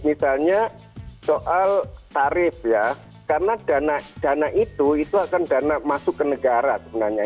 misalnya soal tarif ya karena dana itu itu akan dana masuk ke negara sebenarnya